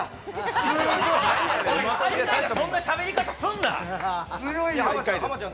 そんなしゃべり方すんな！